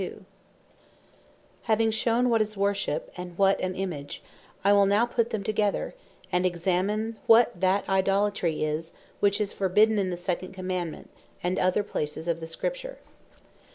Idolatry What Having shewn what is Worship, and what an Image; I will now put them together, and examine what that IDOLATRY is, which is forbidden in the Second Commandement, and other places of the Scripture.